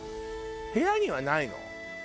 部屋にはないの？